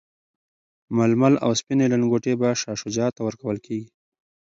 ململ او سپیني لنګوټې به شاه شجاع ته ورکول کیږي.